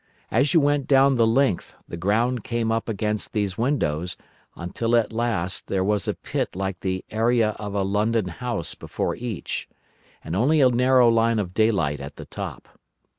As you went down the length, the ground came up against these windows, until at last there was a pit like the 'area' of a London house before each, and only a narrow line of daylight at the top.